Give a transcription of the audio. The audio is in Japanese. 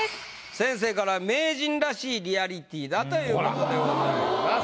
先生から「名人らしいリアリティー」だという事でございます。